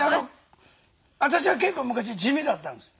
私は結構昔地味だったんです。